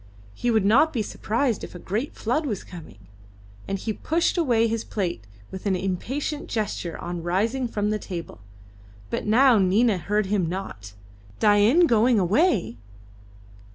He would not be surprised if a great flood was coming. And he pushed away his plate with an impatient gesture on rising from the table. But now Nina heard him not. Dain going away!